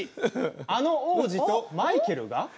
あの王子とマイケルが。